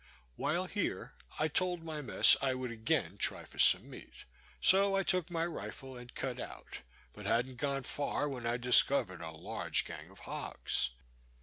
While here, I told my mess I would again try for some meat; so I took my rifle and cut out, but hadn't gone far, when I discovered a large gang of hogs.